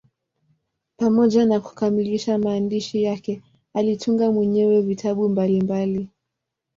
Pamoja na kukamilisha maandishi yake, alitunga mwenyewe vitabu mbalimbali.